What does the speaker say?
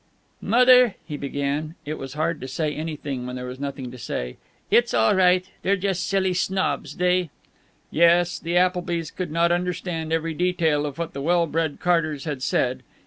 "Mother " he began. It was hard to say anything when there was nothing to say. "It's all right. They're just silly snobs. They " Yes, the Applebys could not understand every detail of what the well bred Carters had said.